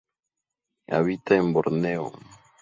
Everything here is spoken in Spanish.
Habita en Borneo.